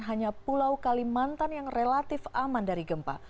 hanya pulau kalimantan yang relatif aman dari gempa